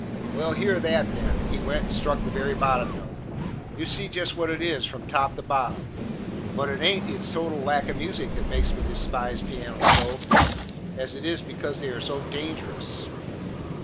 "Well, hear that, then," and he went and struck the very bottom note. "You see just what it is, from top to bottom. But it haint its total lack of music that makes me despise pianos so, it is because they are so dangerous."